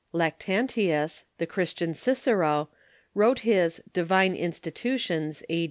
Lactantius, the Christian Cicero, wrote his "Divine Institu tions" A.